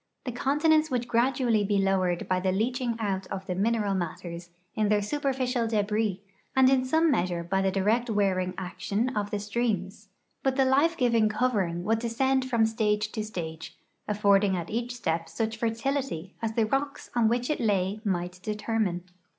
The continents would gradually he lowered hy the leaching out of the mineral matters in their superficial debris, and in some measure hy the direct wearing action of the streams, hut the life giving covering would descend from stage to stage, affording at each step such fertility as the rocks on which it lay might determine.